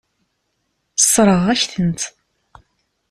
Sseṛɣeɣ-ak-tent.